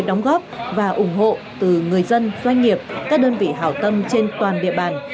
đóng góp và ủng hộ từ người dân doanh nghiệp các đơn vị hảo tâm trên toàn địa bàn